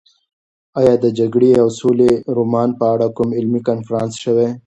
ایا د جګړې او سولې رومان په اړه کوم علمي کنفرانس شوی؟